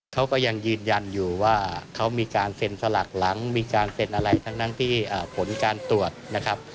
เขาก็ยังยืนยันอยู่ว่าเขามีการเซ็นสลักหลังมีการเซ็นอะไรทั้งที่ผลการตรวจนะครับ